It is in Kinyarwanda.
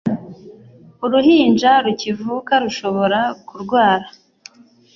Uruhinja rukivuka rushobora kurwara.